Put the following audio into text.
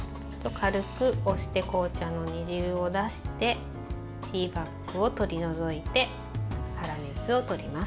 軽く押して紅茶の煮汁を出してティーバッグを取り除いて粗熱をとります。